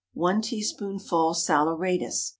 1 teaspoonful saleratus.